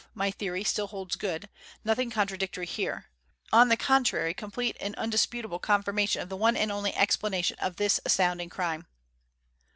My theory still holds good; nothing contradictory here; on the contrary complete and undisputable confirmation of the one and only explanation of this astounding crime."